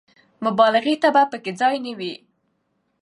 مبالغې ته به په کې ځای نه وي.